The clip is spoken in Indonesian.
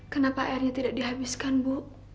kenapa airnya tidak dihabiskan bu